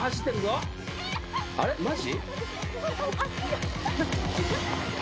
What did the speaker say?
マジ？